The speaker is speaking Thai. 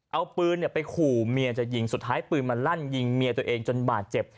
เอาปืนไปขู่เมียจะยิงสุดท้ายปืนมาลั่นยิงเมียตัวเองจนบาดเจ็บ